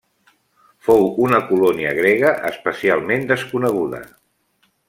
Fou una colònia grega especialment desconeguda.